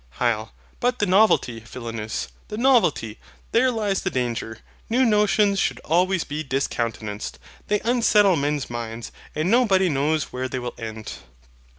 HYL. But the novelty, Philonous, the novelty! There lies the danger. New notions should always be discountenanced; they unsettle men's minds, and nobody knows where they will end.